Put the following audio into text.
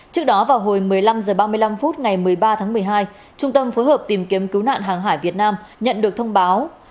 trước đó vào hồi một mươi năm h ba mươi năm phút ngày một mươi ba tháng một mươi hai trung tâm phối hợp tìm kiếm cứu nạn hàng hải việt nam nhận được thông báo